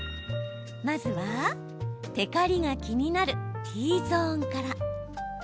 まずは、テカリが気になるＴゾーンから。